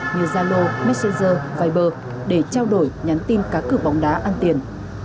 như zalo messenger viber để trao đổi nhắn tin cá cử bóng đá ăn tiền